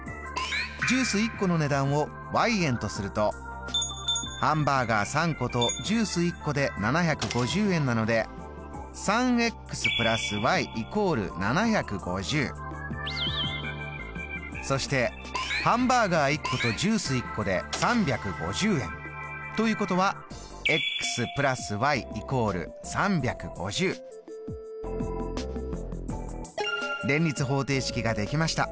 ジュース１個の値段を円とするとハンバーガー３個とジュース１個で７５０円なのでそしてハンバーガー１個とジュース１個で３５０円。ということは連立方程式ができました。